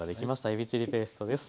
えびチリペーストです。